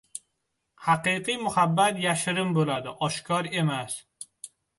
Haqiqiy muhabbat yashirin bo‘ladi, oshkor emas.